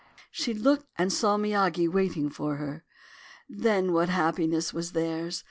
She looked and saw Miyagi waiting for her. Then what happiness was theirs!